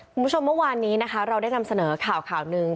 คุณผู้ชมเมื่อวานนี้นะคะเราได้นำเสนอข่าวข่าวหนึ่ง